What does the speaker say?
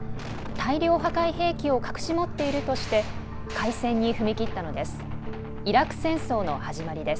大量破壊兵器を隠し持っているとして開戦に踏み切ったのです。